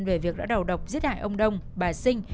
về việc đã đầu độc giết hại ông đông bà sinh